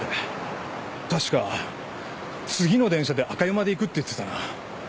確か次の電車で赤湯まで行くって言ってたな。